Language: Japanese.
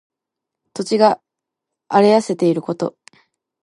土地が荒れ痩せていること。